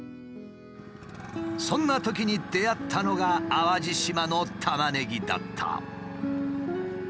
そんなときに出会ったのが淡路島のタマネギだった。